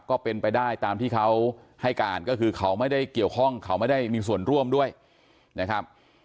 ก็เป็นไปได้ตามที่เขาให้การก็คือเขาไม่ได้เกี่ยวข้องเขาไม่ได้มีส่วนร่วมด้วยนะครับ